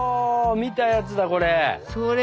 見たやつだこれ！